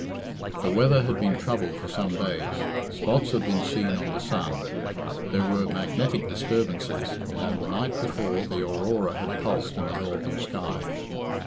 The weather had been troubled for some days. Spots had been seen on the sun. There were magnetic disturbances, and on the night before the aurora had pulsed in the northern sky.